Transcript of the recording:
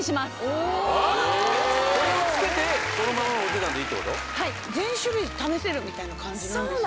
おおこれをつけてこのままのお値段でいいってことはいみたいな感じなんですね